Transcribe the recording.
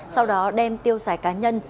sau đó đem tiêu giải cá nhân